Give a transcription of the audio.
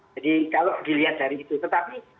jadi kalau dilihat dari itu tetapi